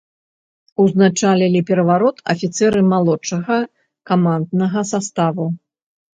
Узначалілі пераварот афіцэры малодшага каманднага саставу.